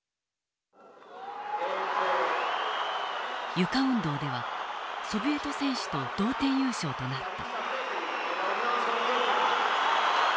ゆか運動ではソビエト選手と同点優勝となった。